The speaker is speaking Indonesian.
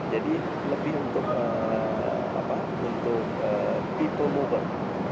jadi lebih untuk people mover